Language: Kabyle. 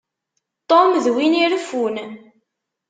Tom d win ireffun.